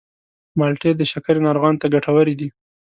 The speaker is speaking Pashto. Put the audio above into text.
مالټې د شکرې ناروغانو ته ګټورې دي.